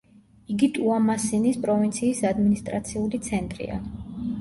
იგი ტუამასინის პროვინციის ადმინისტრაციული ცენტრია.